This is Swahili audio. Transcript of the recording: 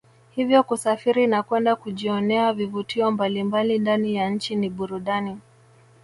Hivyo kusafiri na kwenda kujionea vivutio mbalimbali ndani ya nchi ni burudani